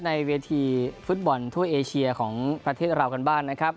ในเวทีฟุตบอลทั่วเอเชียของประเทศเรากันบ้างนะครับ